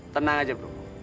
tenang aja bro